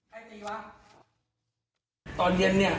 ผมจะยุ่งเลย